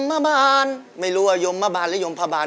ไม่รู้ว่ายมมาบานหรือยมพาบาน